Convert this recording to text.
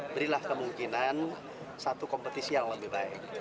berilah kemungkinan satu kompetisi yang lebih baik